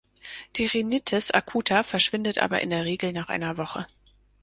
Die Rhinitis acuta verschwindet aber in der Regel nach einer Woche.